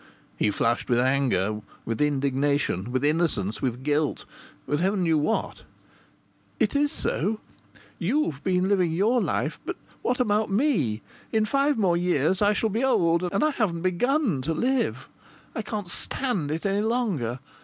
He flushed with anger, with indignation, with innocence, with guilt with Heaven knew what! " it is so. You've been living your life. But what about me? In five more years I shall be old, and I haven't begun to live. I can't stand it any longer.